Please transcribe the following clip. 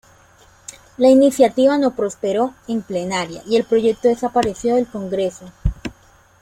La iniciativa no prosperó en plenaria y el proyecto desapareció del Congreso.